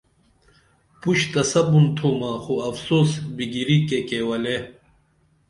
پُش تہ سپُون تُھمہ خو افسوس بِگِری کے کے ولے